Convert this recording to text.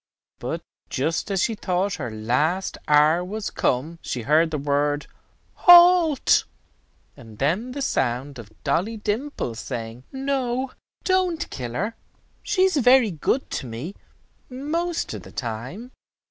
But just as she thought her last hour was come, she heard, the word "Halt," and then the sound of Dolly Dimple saying, "No, don't kill her. She is very good to me most of the time."